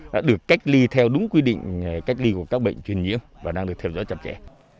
đã được cách ly theo đúng quy định cách ly của các bệnh truyền nhiễm và đang được theo dõi chặt chẽ